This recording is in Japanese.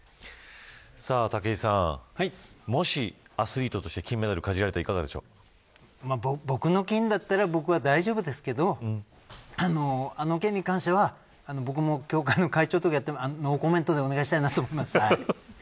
武井さん、もしアスリートとして、金メダル僕の金だったら僕は大丈夫ですけどあの件に関しては僕も協会の会長とかやってるんで、ノーコメントでお願いしたいです。